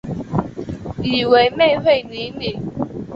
以为妹会理你